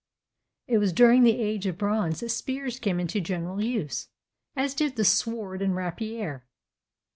It was during the age of bronze that spears came into general use, as did the sword and rapier.